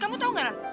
kamu tau gak ran